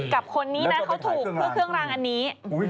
กับคนนี้นะเขาถูกเพื่อเครื่องรางอันนี้